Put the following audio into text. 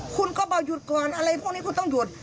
คุณก็บอกหยุดก่อนอะไรพวกนี้คุณต้องหยุด